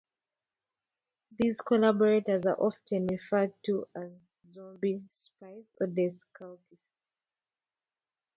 These collaborators are often referred to as "zombie spies" or "death cultists".